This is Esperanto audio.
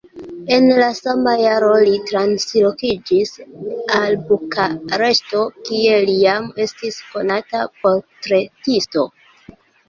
En la sama jaro li translokiĝis al Bukareŝto, kie li jam estis konata portretisto.